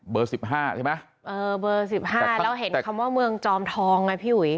สิบห้าใช่ไหมเออเบอร์สิบห้าแล้วเห็นคำว่าเมืองจอมทองไงพี่อุ๋ย